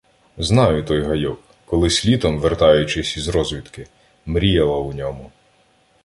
— Знаю той гайок — колись літом, вертаючись із розвідки, мріяла у ньому.